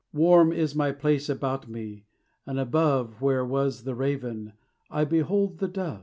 Warm is my place about me, and above Where was the raven, I behold the dove.